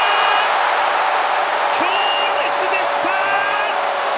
強烈でした！